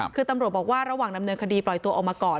คือตำรวจบอกว่าระหว่างดำเนินคดีปล่อยตัวออกมาก่อน